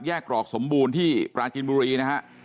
กรอกสมบูรณ์ที่ปราจินบุรีนะฮะ